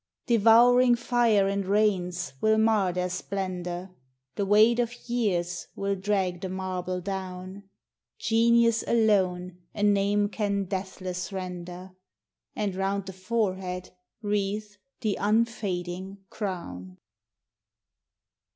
Devouring fire and rains will mar their splendor ; The weight of years \Vill drag the marble down : Genius alone a name can deathless render, And round the forehead wreathe the unfading crown.